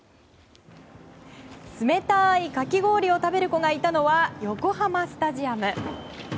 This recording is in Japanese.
冷たいかき氷を食べる子がいたのは横浜スタジアム。